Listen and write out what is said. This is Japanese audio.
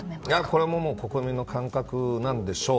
これも国民の感覚なんでしょう。